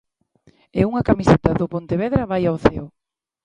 E unha camiseta do Pontevedra vai ao ceo.